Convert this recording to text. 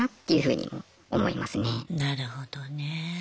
なるほどね。